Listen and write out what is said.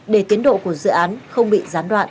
để tiến độ của dự án không bị gián đoạn